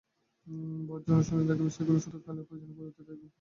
বাহ্য অনুষ্ঠানাদি থাকিবে, সেগুলি শুধু কালের প্রয়োজনে পরিবর্তিত হইবে।